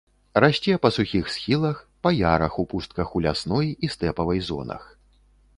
Расце па сухіх схілах, па ярах ў пустках ў лясной і стэпавай зонах.